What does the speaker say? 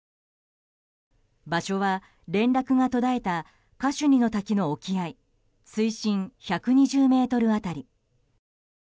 場所は連絡が途絶えたカシュニの滝の沖合水深１２０ｍ辺り。